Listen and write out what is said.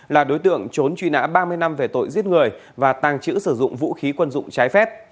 là đối tượng trốn truy nã ba mươi năm về tội giết người và tàng trữ sử dụng vũ khí quân dụng trái phép